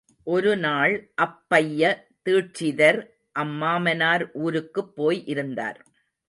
ஒருநாள் அப்பைய தீட்சிதர் தம் மாமனார் ஊருக்குப் போய் இருந்தார்.